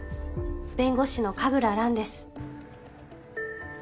弁護士の神楽蘭です。